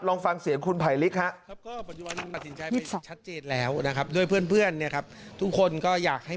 ลองฟังเสียงคุณภัยลิกฮะ